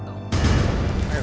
serahkan anak itu